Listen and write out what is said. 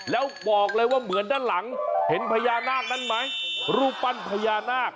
แล้วบอกเลยว่าเหมือนด้านหลังเห็นพญานาคนั้นไหมรูปปั้นพญานาค